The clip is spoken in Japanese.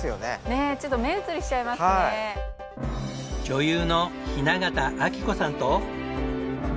女優の雛形あきこさんと。